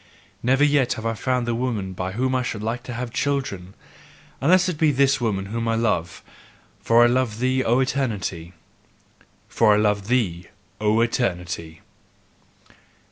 Never yet have I found the woman by whom I should like to have children, unless it be this woman whom I love: for I love thee, O Eternity! FOR I LOVE THEE, O ETERNITY!